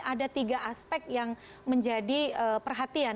ada tiga aspek yang menjadi perhatian